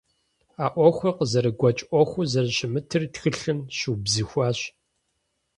А Ӏуэхур къызэрыгуэкӀ Ӏуэхуу зэрыщымытыр тхылъым щыубзыхуащ.